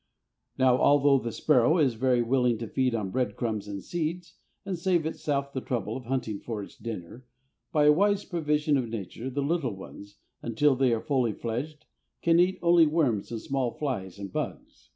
Now although the sparrow is very willing to feed on bread crumbs and seeds, and save itself the trouble of hunting for its dinner, by a wise provision of nature the little ones, until they are fully fledged, can eat only worms and small flies and bugs.